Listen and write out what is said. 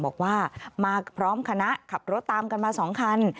บอกว่ามาพร้อมคณะขับรถตามกันมา๒คัน